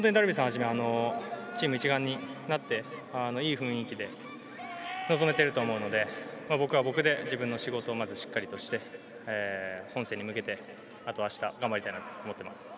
はじめチーム一丸になっていい雰囲気で臨めていると思うので僕は僕で自分の仕事をしっかりとして本戦に向けてあと明日頑張りたいと思っています。